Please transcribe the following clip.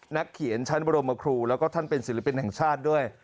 นักเขียนชั้นบรมครูแล้วก็ท่านเป็นศิลปินแห่งชาติด้วย